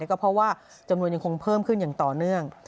ก็เพราะว่าจำนวนยังคงเพิ่มขึ้นอย่างต่อเนื่อง